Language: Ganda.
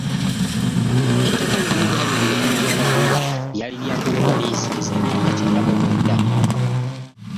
Ettaka lyonna eryali mu mikono gy’abagwira lyali lyakuweebwa liizi ez’emyaka kyenda mu mwenda.